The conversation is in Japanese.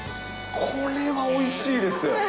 これはおいしいです。